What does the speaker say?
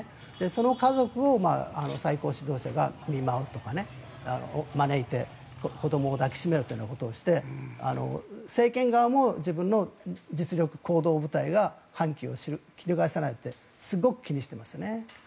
その家族を最高指導者が見舞うというか招いて、子どもを抱きしめるということをして政権側も自分の実力、行動部隊が反旗を翻さないかすごく気にしてますね。